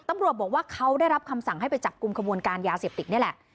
ตำรวจบอกว่าเขาได้รับคำสั่งให้ไปจับกลุ่มขบวนการยาเสพติดนี่แหละ